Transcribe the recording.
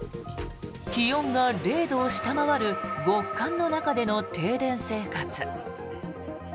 気温が０度を下回る極寒の中での停電生活。